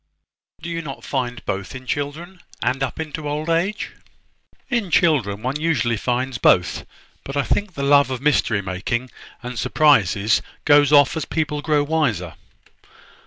"Do you not find both in children, and up into old age?" "In children, one usually finds both: but I think the love of mystery making and surprises goes off as people grow wiser.